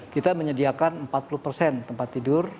kita menyediakan empat puluh persen tempat tidur